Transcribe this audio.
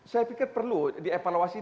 saya pikir perlu dievaluasi